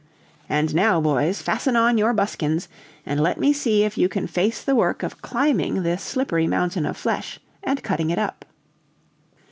"And now, boys, fasten on your buskins, and let me see if you can face the work of climbing this slippery mountain of flesh, and cutting it up."